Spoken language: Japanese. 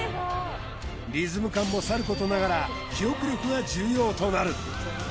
リズム感もさることながら記憶力が重要となる